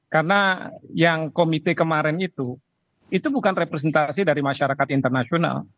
karena yang komite kemarin itu itu bukan representasi dari masyarakat internasional